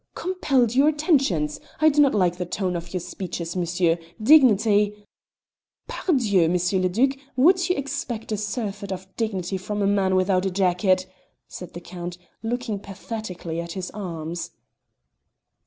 "Compelled your attentions! I do not like the tone of your speeches, monsieur. Dignity " "Pardieu! M. le Duc, would you expect a surfeit of dignity from a man without a jacket?" said the Count, looking pathetically at his arms.